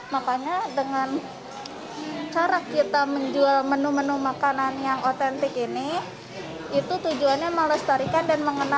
makanya dengan cara kita menjual menu menu makanan yang otentik ini itu tujuannya melestarikan dan mengenalkan